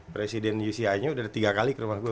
presiden uci nya udah tiga kali ke rumah gue